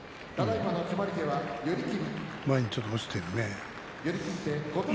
前にちょっと落ちているね。